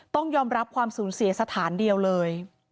ต้องยอมรับความสูญเสียสถานเดียวเลย